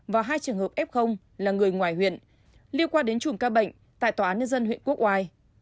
và hai trường hợp f là người ngoài huyện liên quan đến chùm ca bệnh tại tòa án nhân dân huyện quốc oai